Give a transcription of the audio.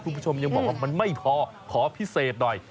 คุณผู้ชมยังบอกว่ามันไม่พอขอพิเศษหน่อย